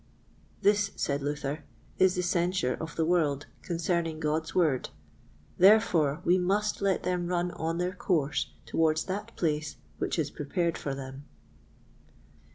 This, said Luther, is the censure of the world concerning God's Word; therefore we must let them run on their course towards that place which is prepared for them.